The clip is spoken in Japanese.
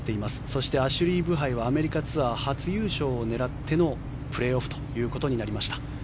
そして、アシュリー・ブハイはアメリカツアー初優勝を狙ってのプレーオフとなりました。